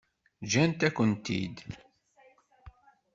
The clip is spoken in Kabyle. Ǧǧant-akent-ten-id.